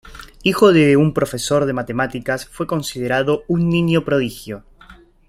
Hijo de un profesor de matemáticas, fue considerado un niño prodigio.